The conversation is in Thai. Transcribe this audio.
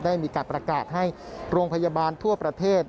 ได้มีการประกาศให้โรงพยาบาลทั่วประเทศ